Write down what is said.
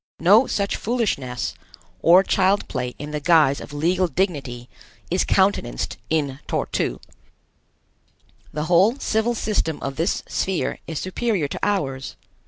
No such foolishness, or child play in the guise of legal dignity, is countenanced in Tor tu. The whole civil system of this sphere is superior to ours.